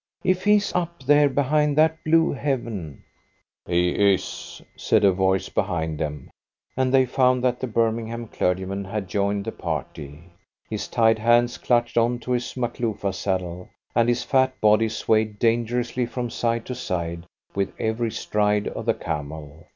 If He's up there behind that blue heaven " "He is," said a voice behind them, and they found that the Birmingham clergyman had joined the party. His tied hands clutched on to his Makloofa saddle, and his fat body swayed dangerously from side to side with every stride of the camel.